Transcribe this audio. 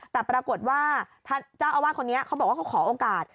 แต่ปรากฏว่าท่านเจ้าอาวาสคนนี้เขาบอกว่าเขาขอโอกาส